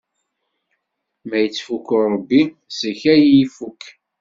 Ma ittfukku Ṛebbi, seg-k ad yi-ifukk!